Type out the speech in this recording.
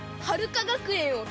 はるかがくえん！？